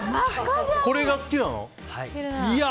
これが好きなの？